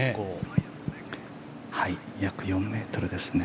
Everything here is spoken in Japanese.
約４ｍですね。